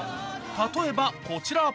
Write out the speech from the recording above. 例えばこちら